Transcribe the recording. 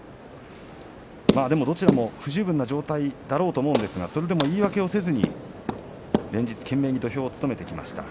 どちらも不十分な状態だろうと思うんですがそれでも言い訳をせずに連日、懸命に土俵を務めてきました。